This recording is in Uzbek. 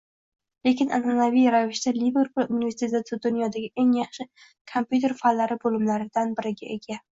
lekin anʼanaviy ravishda Liverpul universiteti dunyodagi eng yaxshi kompyuter fanlari boʻlimlaridan biriga ega.